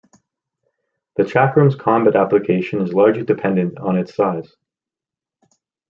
The chakram's combat application is largely dependent on its size.